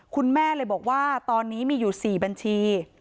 คุณแม่เลยบอกว่าตอนนี้มีอยู่๔บัญชี